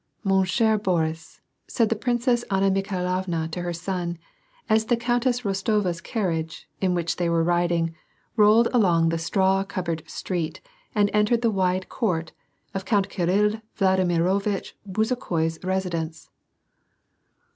Man cher Boris," said the Princess Anna Mikhailovna to her son, as the Countess Rostova's carriage, in which they were riding, rolled along the straw covered street and entered the wide court of Coxuit Kirill Vladimirovitch Bezukhoi's rcsi 56 WAR AND PEACE. dence.